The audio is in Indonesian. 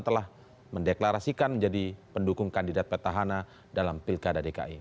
telah mendeklarasikan menjadi pendukung kandidat petahana dalam pilkada dki